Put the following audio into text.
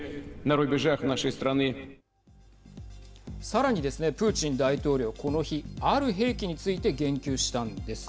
さらにですね、プーチン大統領この日、ある兵器について言及したんです。